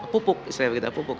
pupuk istilahnya begitu pupuk